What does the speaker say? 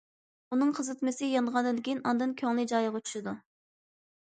ئۇنىڭ قىزىتمىسى يانغاندىن كېيىن ئاندىن كۆڭلى جايىغا چۈشىدۇ.